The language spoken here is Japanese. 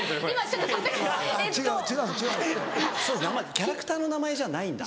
キャラクターの名前じゃないんだ。